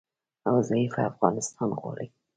او ضعیفه افغانستان غواړي